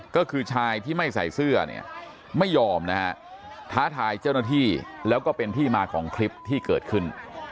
ก็คือชายที่ไม่ใส่เสื้อเนี่ยไม่ยอมนะฮะท้าทายเจ้าหน้าที่แล้วก็เป็นที่มาของคลิปที่เกิดขึ้น